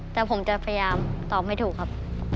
แต่ผมจะพยายามตอบไม่ถูกครับ